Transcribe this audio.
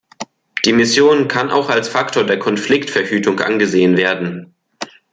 Die Mission kann auch als Faktor der Konfliktverhütung angesehen werden.